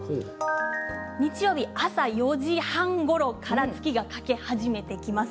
日曜日、朝４時半ごろから月が欠け始めてきます。